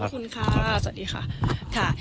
ขอบคุณครับสวัสดีค่ะ